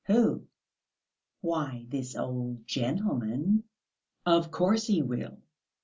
"Who?" "Why, this old gentleman...." "Of course he will.